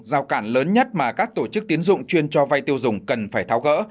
giao cản lớn nhất mà các tổ chức tiến dụng chuyên cho vay tiêu dùng cần phải tháo gỡ